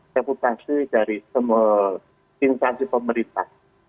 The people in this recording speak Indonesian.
reputasi dari semua instansi pemerintah